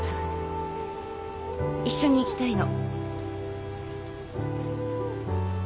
一緒に行きたいの。